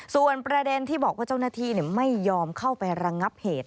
ส่วนประเด็นที่บอกว่าเจ้าหน้าที่ไม่ยอมเข้าไประงับเหตุ